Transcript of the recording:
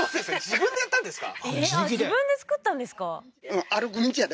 自分で造ったんですか？